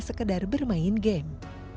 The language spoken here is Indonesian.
sekadar bermain game